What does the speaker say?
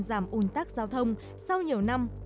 giảm uốn tắc giao thông sau nhiều năm